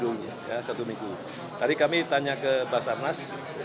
ya sementara satu minggu hari dari koordinasi dengan basarnas